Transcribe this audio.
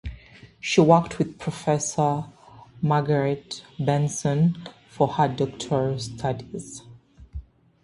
She worked with Professor Margaret Benson for her doctoral studies.